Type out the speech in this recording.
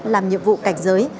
làm nhiệm vụ cảnh giới